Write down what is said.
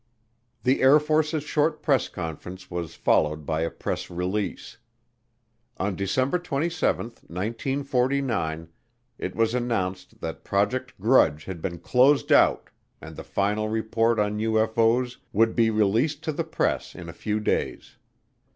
The Air Force's short press conference was followed by a press release. On December 27, 1949, it was announced that Project Grudge had been closed out and the final report on UFO's would be released to the press in a few days.